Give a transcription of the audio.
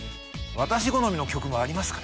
私好みの曲もありますかね？